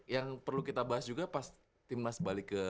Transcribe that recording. yang perlu kita bahas juga pas timnas balik ke